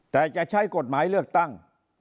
แต่จะใช้กฎหมายเลือกตั้ง